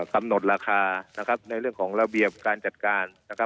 คำหนดราคาในเรื่องของระเบียบการจัดการ